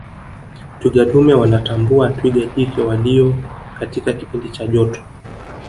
twiga dume wanatambua twiga jike waliyo katika kipindi cha joto